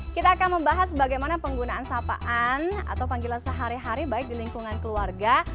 kita akan membahas bagaimana penggunaan sapaan atau panggilan sehari hari baik di lingkungan keluarga